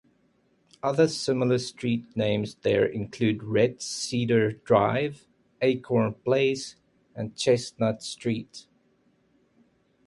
Other similar street names there include Red Cedar Drive, Acorn Place and Chestnut Street.